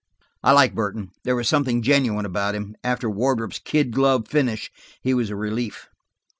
I liked Burton. There was something genuine about him; after Wardrop's kid glove finish, he was a relief.